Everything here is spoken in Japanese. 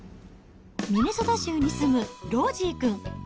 ミネソタ州に住むロージーくん。